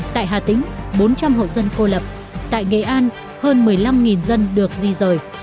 tại hà tĩnh bốn trăm linh hộ dân cô lập tại nghệ an hơn một mươi năm dân được di rời